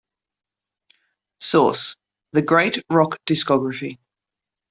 Source: "The Great Rock Discography"